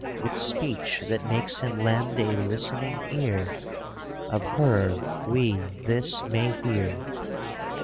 With speech that makes him lend a listening ear. Of her we this may hear.